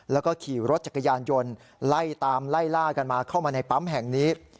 แล้วก็ขี่รถจักรยานยนต์ไล่ตามไล่ล่ากันมาเข้ามาในปั๊มแห่งนี้